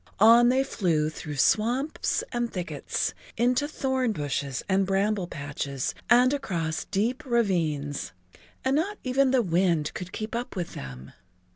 On they flew through swamps and thickets, into thorn bushes and bramble patches and across deep ravines, and not even the wind could keep up with them.